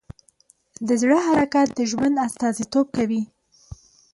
د زړه حرکت د ژوند استازیتوب کوي.